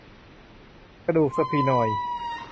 กระดูกสฟีนอยด์